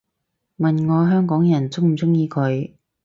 問我香港人鍾唔鍾意佢